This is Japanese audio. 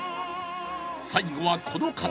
最後はこの方。